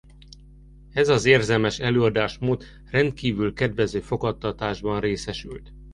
Ez az érzelmes előadásmód rendkívül kedvező fogadtatásban részesült.